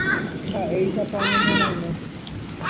mba'éichapa oñeñorãirõ